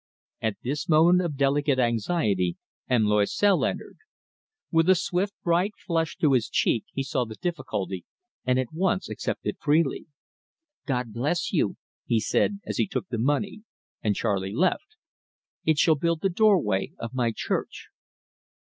At this moment of delicate anxiety M. Loisel entered. With a swift bright flush to his cheek he saw the difficulty, and at once accepted freely. "God bless you," he said, as he took the money, and Charley left. "It shall build the doorway of my church."